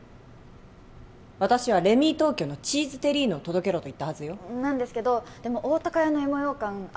私はレミー東京のチーズテリーヌを届けろと言ったはずよなんですけどでも大たか屋の芋ようかん